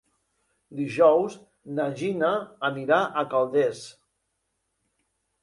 Dijous na Gina anirà a Calders.